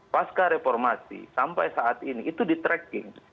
pasca reformasi sampai saat ini itu di tracking